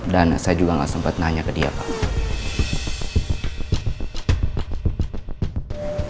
dan saya juga enggak sempat nanya ke dia pak